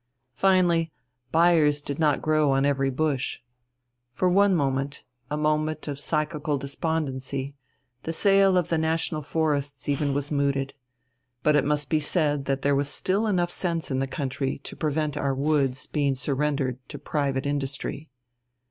Finally, buyers did not grow on every bush. For one moment a moment of psychical despondency the sale of the national forests even was mooted. But it must be said that there was still sense enough in the country to prevent our woods being surrendered to private industry.